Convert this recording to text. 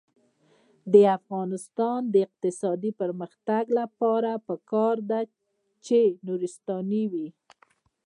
د افغانستان د اقتصادي پرمختګ لپاره پکار ده چې نورستاني وي.